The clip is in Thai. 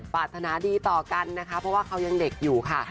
ปรารถนาดีต่อกันนะคะเพราะว่าเขายังเด็กอยู่ค่ะ